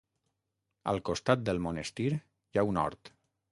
Al costat del monestir hi ha un hort.